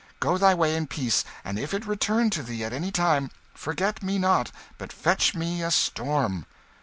Go thy way in peace; and if it return to thee at any time, forget me not, but fetch me a storm."